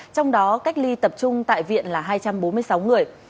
trong đó cách ly tập trung tại viện là hai trăm bốn mươi sáu người